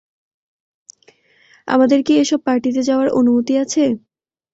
আমাদের কি এসব পার্টিতে যাওয়ার অনুমতি আছে?